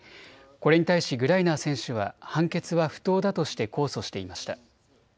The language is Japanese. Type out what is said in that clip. これに対しグライナー選手は判決は不当だとして控訴していました。